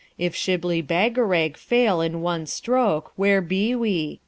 If Shibli Bagarag fail in one stroke, where be we?